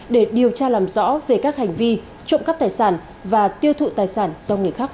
để điều tra làm rõ về các hành vi trộm cắp tài sản và tiêu thụ tài sản do người khác